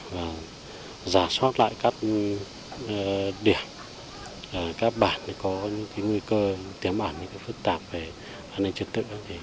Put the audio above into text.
và giả soát lại các điểm các bản có những nguy cơ tiếm ảnh phức tạp về an ninh trật tự